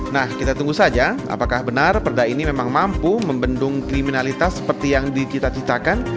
nah kita tunggu saja apakah benar perda ini memang mampu membendung kriminalitas seperti yang dicita citakan